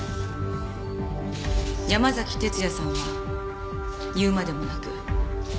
山崎哲也さんは言うまでもなく。